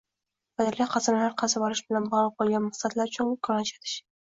Foydali qazilmalar qazib olish bilan bog’liq bo’lgan maqsadlar uchun kon ajratish